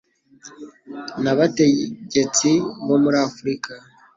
nabategetsi bo muri Afurika